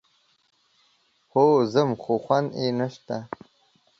هو ځم، خو خوند يې نشته.